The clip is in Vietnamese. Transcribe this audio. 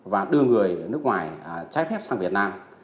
và đưa người nước ngoài trái phép sang việt nam